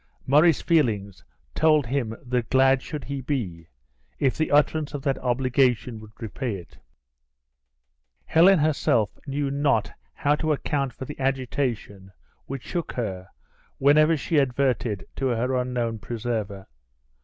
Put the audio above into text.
Murray's feelings told him that glad should he be, if the utterance of that obligation would repay it! Helen herself knew not how to account for the agitation which shook her whenever she adverted to her unknown preserver.